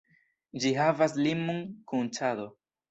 Ĝi havas limon kun Ĉado.